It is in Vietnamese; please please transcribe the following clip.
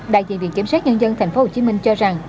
đại diện viện kiểm sát nhân dân tp hcm cho rằng